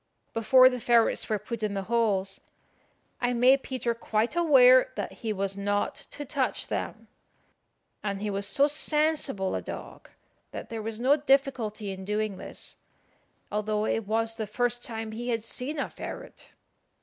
Before the ferrets were put in the holes, I made Peter quite aware that he was not to touch them; and he was so sensible a dog that there was no difficulty in doing this, although it was the first time he had seen a ferret.